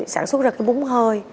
sản xuất ra cái bún hơi